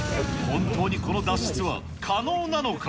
本当にこの脱出は可能なのか。